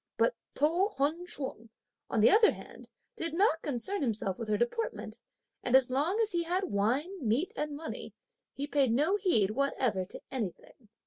But To Hun ch'ung, on the other hand, did not concern himself (with her deportment), and as long as he had wine, meat and money he paid no heed whatever to anything.